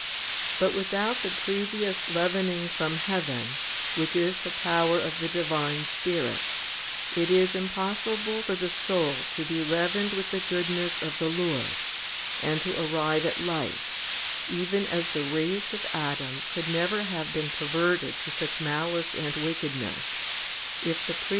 2 But without the previous leavening from heaven, which is the power of the Divine Spirit, it is impossible for the soul to be leavened with the goodness of the Lord, and to arrive at life, even as the race of Adam could never have been perverted to such malice and wickedness, if the previous 1 i Cor.